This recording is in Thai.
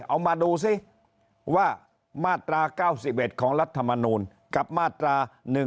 เอามาดูซิว่ามาตรา๙๑ของรัฐมนูลกับมาตรา๑๑๒